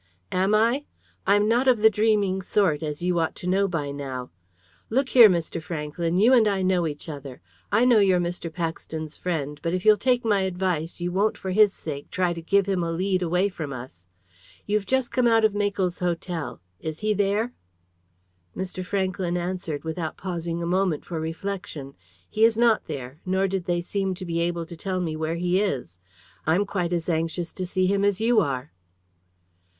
"Am I? I'm not of a dreaming sort, as you ought to know by now. Look here, Mr. Franklyn, you and I know each other. I know you're Mr. Paxton's friend, but if you'll take my advice, you won't, for his sake, try to give him a lead away from us. You've just come out of Makell's Hotel. Is he there?" Mr. Franklyn answered, without pausing a moment for reflection. "He is not there. Nor did they seem to be able to tell me where he is. I'm quite as anxious to see him as you are."